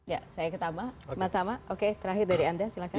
ya saya ke tama mas tama oke terakhir dari anda silahkan